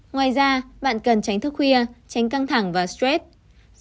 ngoài ra bạn cần tránh thức khuya tránh căng thẳng và stress